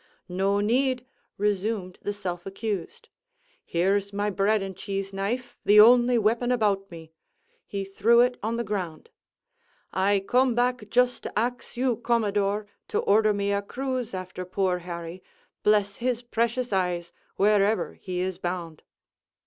"No need," resumed the self accused; "here's my bread and cheese knife, the only weapon about me;" he threw it on the ground: "I come back just to ax you, commodore, to order me a cruise after poor Harry, bless his precious eyes, wherever he is bound."